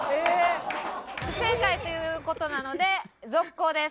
不正解っていう事なので続行です。